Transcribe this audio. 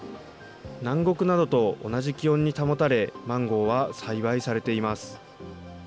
南国などと同じ気温に保たれ、マンゴーは栽培されています。